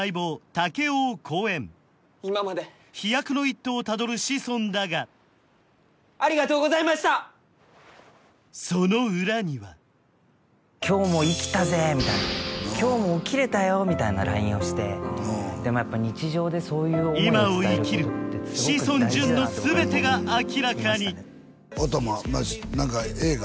竹雄を好演飛躍の一途をたどる志尊だがありがとうございましたその裏には「今日も生きたぜ」みたいな「今日も起きれたよ」みたいなＬＩＮＥをしてでもやっぱ日常でそういう思いを今を生きる志尊淳の全てが明らかに頭は何か映画？